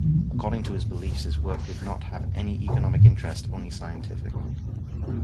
According to his beliefs, his work did not have any economic interest, only scientific.